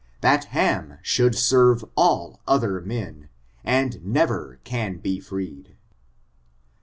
That Ham should serve all other men, and never can be freed.